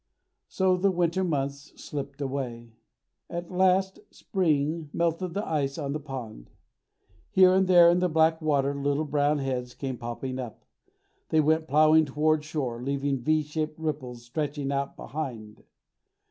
So the winter months slipped away. At last spring melted the ice on the pond. Here and there in the black water little brown heads came popping up. They went plowing toward shore, leaving v shaped ripples stretching out behind.